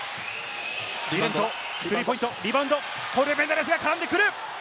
スリーポイント、リバウンド、コルメナレスが絡んでくる。